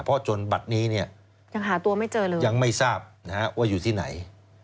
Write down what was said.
เพราะจนบัตรนี้เนี่ยยังหาตัวไม่เจอเลยยังไม่ทราบนะฮะว่าอยู่ที่ไหน